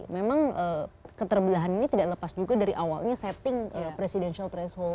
memang keterbelahan ini tidak lepas juga dari awalnya setting presidential threshold